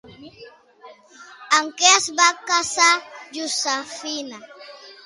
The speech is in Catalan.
Amb qui es va casar Josefina?